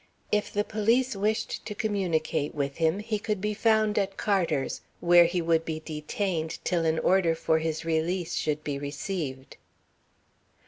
If the police wished to communicate with him, he could be found at Carter's, where he would be detained till an order for his release should be received.